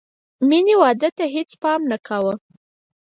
مینې واده ته هېڅ پام نه کاوه